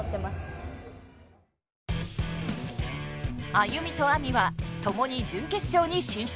ＡＹＵＭＩとＡＭＩはともに準決勝に進出。